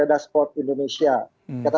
inkatan sport sepeda indonesia ketua isi dki jakarta